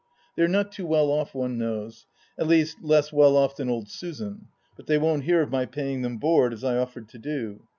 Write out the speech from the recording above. They are not too well off, one knows ; at least, less well off than old Susan ; but they won't hear of my paying them board, as I offered to do.